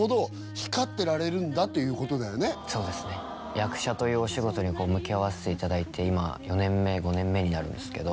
役者というお仕事に向き合わせていただいて今４年目５年目になるんですけど